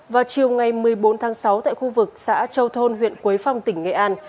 vào chiều ngày một mươi bốn tháng sáu tại khu vực xã châu thôn huyện quế phong tỉnh nghệ an